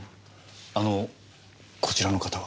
あのこちらの方は？